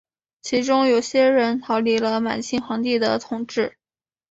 其中有些人逃离了满清皇帝的统治。